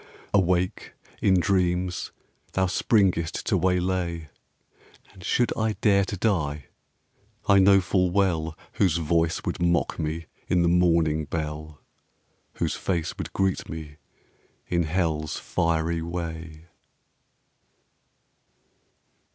Awake, in dreams, thou springest to waylay And should I dare to die, I know full well Whose voice would mock me in the mourning bell, Whose face would greet me in hell's fiery way.